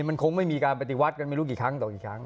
มันคงไม่มีการปฏิวัติกันไม่รู้กี่ครั้งต่อกี่ครั้ง